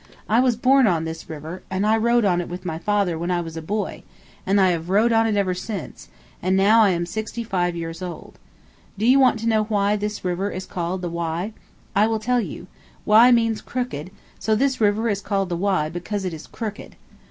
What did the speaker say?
I was born on this river, and I rowed on it with my father when I was a boy, and I have rowed on it ever since, and now I am sixty five years old. Do you want to know why this river is called the Wye? I will tell you. Wye means crooked, so this river is called the Wye because it is crooked.